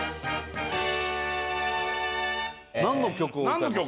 何の曲？